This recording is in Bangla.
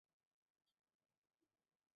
আমার ভবিষ্যত তো তুমি মুকেশ, আমি তোমার স্ত্রী।